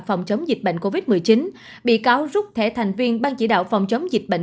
phòng chống dịch bệnh covid một mươi chín bị cáo rút thẻ thành viên ban chỉ đạo phòng chống dịch bệnh